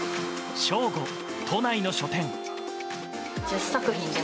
正午、都内の書店。